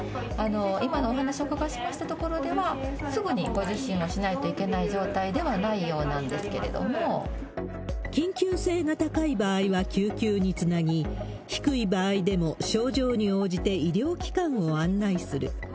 今のお話をお伺いしましたところでは、すぐにご受診をしないといけない状態ではないようなんですけれど緊急性が高い場合は救急につなぎ、低い場合でも症状に応じて医療機関を案内する。